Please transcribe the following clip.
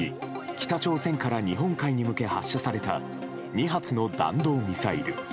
北朝鮮から日本海に向け発射された２発の弾道ミサイル。